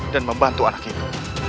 dan membantu anak itu